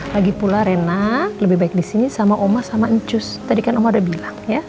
lagipula rena lebih baik di sini sama omah sama ngucus tadi kan omah udah bilang ya